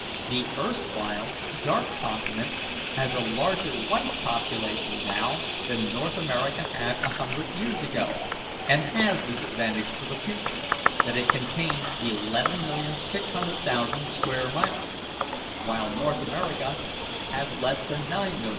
The erstwhile 'Dark Continent' has a larger white population now than North America had a hundred years ago, and has this advantage for the future, that it contains 11,600,000 square miles, while North America has less than 9,000,000.